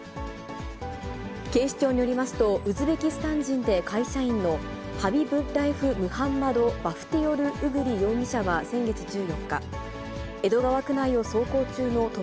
警視庁によりますと、ウズベキスタン人で会社員のハビブッラエフ・ムハンマド・バフティヨル・ウグリ容疑者は先月１４日、江戸川区内を走行中の都